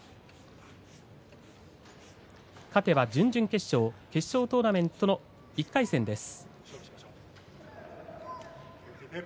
勝てば準々決勝、決勝トーナメントの１回戦です。